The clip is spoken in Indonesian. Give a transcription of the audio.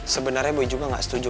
sebenarnya boy juga gak setuju